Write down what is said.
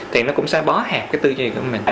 thì nó cũng sẽ bó hẹp cái tư duy của mình